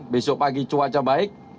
besok pagi cuaca baik